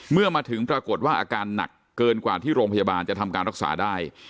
เมื่อมาถึงปรากฏว่าอาการหนักเกินกว่าที่โรงพยาบาลจะทำการรักษาได้